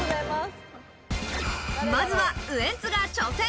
まずはウエンツが挑戦！